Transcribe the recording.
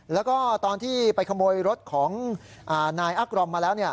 แล้วก็ตอนที่ไปขโมยรถของนายอักรอมมาแล้ว